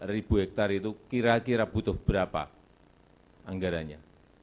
tujuh puluh delapan ribu hektare itu kira kira butuh berapa anggaranya